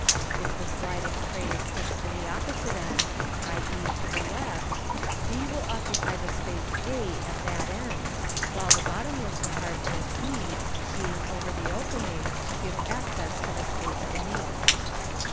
If the sliding tray is pushed to the opposite end (i.e., to the left), d will occupy the space a at that end, while the bottomless compartment e, being over the opening, gives access to the space beneath.